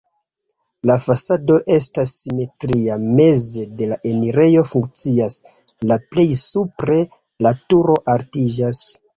La fasado estas simetria, meze la enirejo funkcias, la plej supre la turo altiĝas.